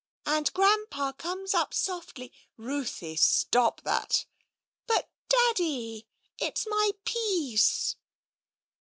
And Grandpa comes up softly " Ruthie! Stop that." But Daddy, it's my piece